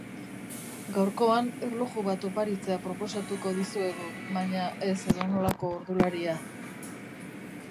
Gaurkoan, erloju bat oparitzea proposatuko dizuegu, baina, ez edonolako ordularia.